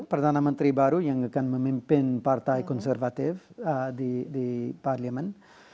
perdana menteri baru yang akan memimpin partai konservatif di parlimen